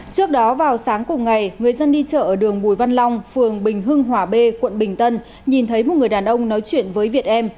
trước đó vào sáng cùng ngày người dân đi chợ ở đường bùi văn long phường bình hưng hòa b quận bình tân nhìn thấy một người đàn ông nói chuyện với việt em